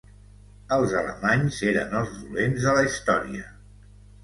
Els alemanys eren els dolents de la història.